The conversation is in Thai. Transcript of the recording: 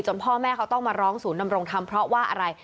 พ่อแม่เขาต้องมาร้องศูนย์ดำรงธรรมเพราะว่าอะไร